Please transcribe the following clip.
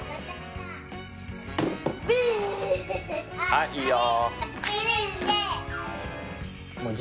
はいいいよ。